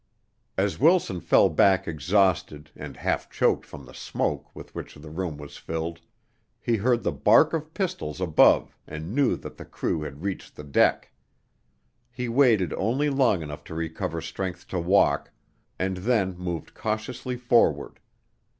As Wilson fell back exhausted and half choked from the smoke with which the room was filled, he heard the bark of pistols above and knew that the crew had reached the deck. He waited only long enough to recover strength to walk, and then moved cautiously forward.